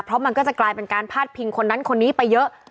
เพราะมันก็จะกลายเป็นการพาดพิงคนนั้นคนนี้ไปเยอะ